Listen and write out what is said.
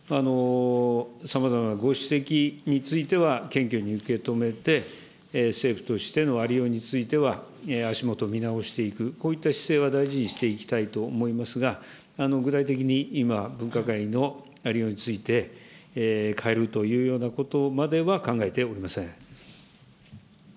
さまざまなご指摘については、謙虚に受け止めて、政府としてのありようについては、足下を見直していく、こういった姿勢は大事にしていきたいと思いますが、具体的に今、分科会のありようについて、変えるというようなことまでは考えておりません。